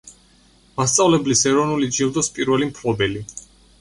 მასწავლებლის ეროვნული ჯილდოს პირველი მფლობელი.